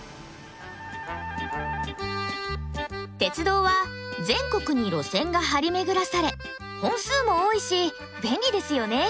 鉄道は全国に路線が張り巡らされ本数も多いし便利ですよね。